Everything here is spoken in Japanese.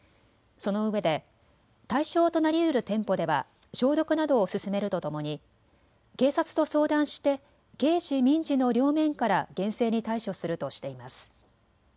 そのうえで対象となりうる店舗では消毒などを進めるとともに警察と相談して刑事民事の両面から厳正に対処するとしています。